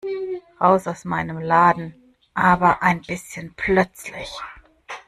Raus aus meinem Laden, aber ein bisschen plötzlich!